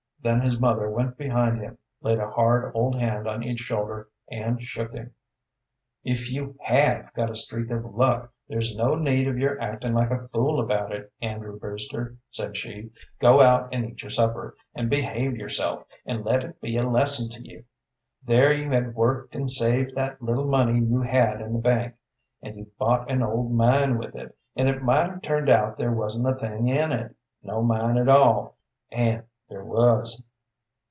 Then his mother went behind him, laid a hard, old hand on each shoulder, and shook him. "If you have got a streak of luck, there's no need of your actin' like a fool about it, Andrew Brewster," said she. "Go out and eat your supper, and behave yourself, and let it be a lesson to you. There you had worked and saved that little money you had in the bank, and you bought an old mine with it, and it might have turned out there wasn't a thing in it, no mine at all, and there was.